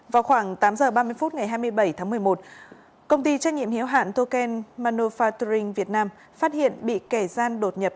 vào khoảng tám h ba mươi phút ngày hai mươi bảy tháng một mươi một công ty trách nhiệm hiếu hạn token manufacturing việt nam phát hiện bị kẻ gian đột nhập